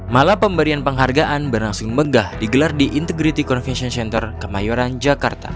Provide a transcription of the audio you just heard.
malah pemberian penghargaan berlangsung megah digelar di integrity convention center kemayoran jakarta